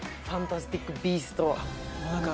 「ファンタスティック・ビースト」は？